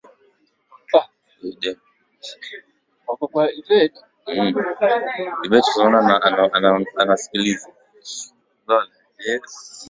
hivi Kanisa likaitwa katoliki maana yake Kanisa moja kwa ajili ya nchi